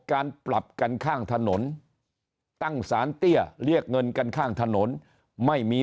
การปรับกันข้างถนนตั้งสารเตี้ยเรียกเงินกันข้างถนนไม่มี